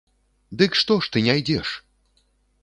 Дык што ж ты не ідзеш!